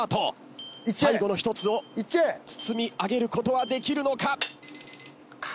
最後の１つを包み上げることはできるのか。